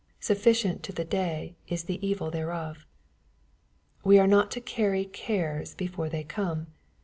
61 Sufficient to the day is the evil thereof." We are not to carry cares before they come.